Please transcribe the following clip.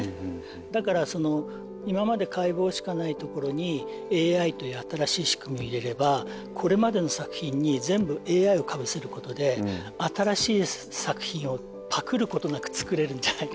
だから今まで解剖しかないところにＡｉという新しい仕組みを入れればこれまでの作品に全部Ａｉをかぶせることで新しい作品をパクることなく作れるんじゃないかと。